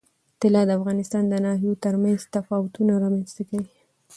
طلا د افغانستان د ناحیو ترمنځ تفاوتونه رامنځ ته کوي.